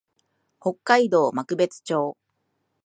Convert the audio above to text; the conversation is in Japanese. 北海道幕別町